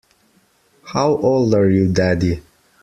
How old are you, daddy.